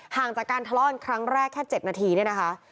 ห่างจากการทะเลาะกันครั้งแรกแค่๗นาทีเนี่ยนะคะ